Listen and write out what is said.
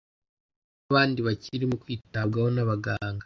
nabandi bakirimo kwitabwaho n’abaganga.